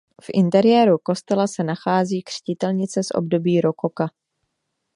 V interiéru kostela se nachází křtitelnice z období rokoka.